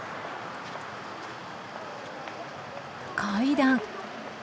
階段。